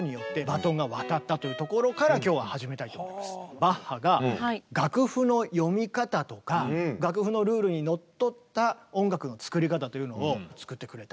バッハが楽譜の読み方とか楽譜のルールにのっとった音楽の作り方というのを作ってくれた。